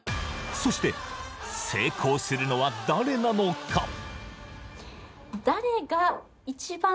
そして、成功するのは誰なのか？